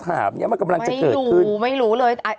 อันนี้มันกำลังจะเกิดขึ้น